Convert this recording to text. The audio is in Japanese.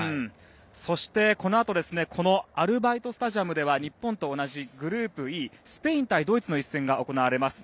そして、このあとこのアルバイト・スタジアムでは日本と同じグループＥ、スペイン対ドイツの一戦が行われます。